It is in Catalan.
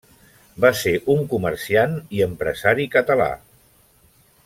Va ser un comerciant i empresari català.